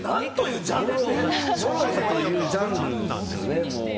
ＭＯＲＯＨＡというジャンルなんですよね。